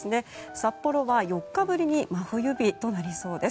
札幌は４日ぶりに真冬日となりそうです。